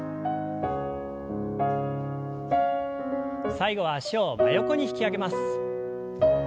最後は脚を真横に引き上げます。